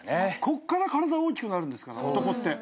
こっから体大きくなるんですから男って。